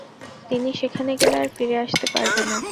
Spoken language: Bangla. তিনি সেখানে গেলে আর ফিরে আসতে পারবে না।